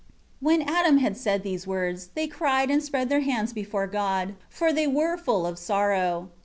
5 When Adam had said these words, they cried and spread their hands before God; for they were full of sorrow.